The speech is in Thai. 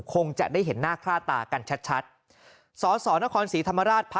คงจะได้เห็นหน้าค่าตากันชัดชัดสอสอนครศรีธรรมราชพระ